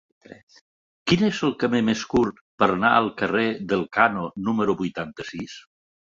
Quin és el camí més curt per anar al carrer d'Elkano número vuitanta-sis?